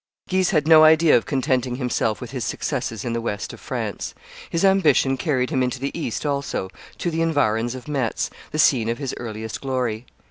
Guise had no idea of contenting himself with his successes in the west of France; his ambition carried him into the east also, to the environs of Metz, the scene of his earliest glory.